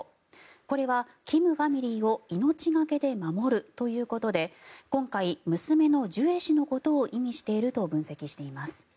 これは、金ファミリーを命懸けで守るということで今回、娘のジュエ氏のことを意味していると分析しています。